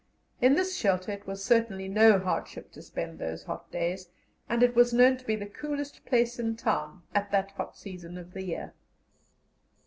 In this shelter it was certainly no hardship to spend those hot days, and it was known to be the coolest place in town at that hot season of the year.